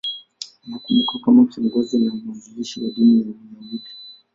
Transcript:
Anakumbukwa kama kiongozi na mwanzilishi wa dini ya Uyahudi.